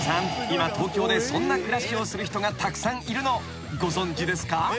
今東京でそんな暮らしをする人がたくさんいるのご存じですか？］